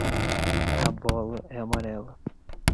A bola é amarela.